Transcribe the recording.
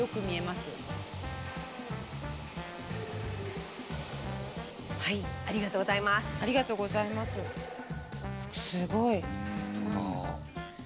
すごい！